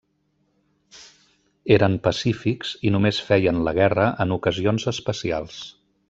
Eren pacífics, i només feien la guerra en ocasions especials.